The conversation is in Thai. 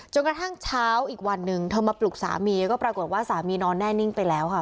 กระทั่งเช้าอีกวันหนึ่งเธอมาปลุกสามีก็ปรากฏว่าสามีนอนแน่นิ่งไปแล้วค่ะ